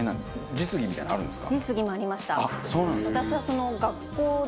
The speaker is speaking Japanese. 実技みたいなのあるんですか？